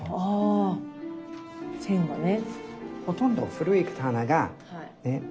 あ線がね。